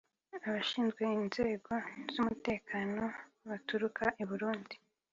Abashinzwe inzego z’ umutekano baturuka i Burundi